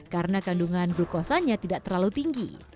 karena kandungan glukosanya tidak terlalu cekat